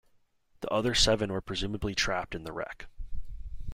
The other seven were presumably trapped in the wreck.